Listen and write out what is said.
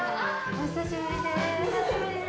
お久しぶりです。